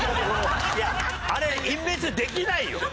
いやあれ隠滅できないよ。